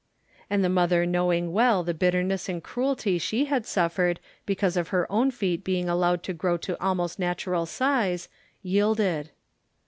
And the mother knowing well the bitterness and cruelty she had suffered because of her own feet being allowed to grow to almost natural size, yielded.